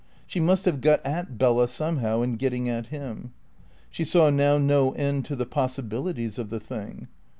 She must have got at Bella somehow in getting at him. She saw now no end to the possibilities of the thing.